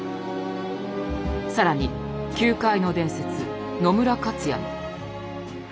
更に球界の伝説野村克也も。